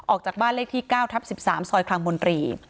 ออกจากบ้านเลขที่๙ทับ๑๓ซอยคลังมนตรี